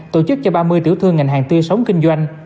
tổ chức cho ba mươi tiểu thương ngành hàng tươi sống kinh doanh